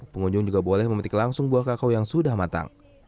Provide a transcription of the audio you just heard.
pengunjung juga boleh memetik langsung buah kakao yang sudah matang